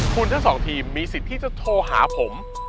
คุณทั้งสองทีมมีสิทธิ์ที่จะโทรหาผม